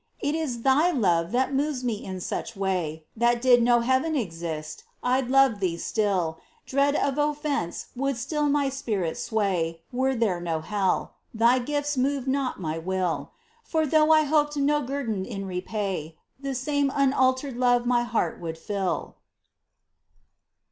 It is Thy love that moves me in such way That did no heaven exist, I'd love Thee still ! Dread of oñence would still my spirit sway Were there no hell — Thy gifts move not my will. For though I hoped no guerdon in repay. The same unaltered love my heart would fill